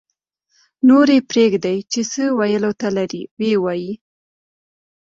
-نور پرېږدئ چې څه ویلو ته لري ویې وایي